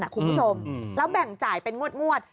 คุณผู้ชมแล้วแบ่งจ่ายเป็นงวด